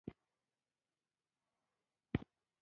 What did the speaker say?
چوڼۍ په کندهار کي یوه مهمه سیمه ده.